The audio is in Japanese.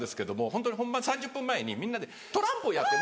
ホントに本番３０分前にみんなでトランプをやって。